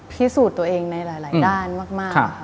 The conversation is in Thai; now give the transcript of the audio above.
พิสูจน์ตัวเองในหลายด้านมาก